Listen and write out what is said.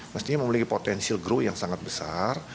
mestinya memiliki potensi growth yang sangat besar